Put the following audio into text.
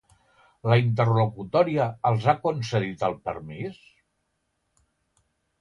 La interlocutòria els ha concedit el permís?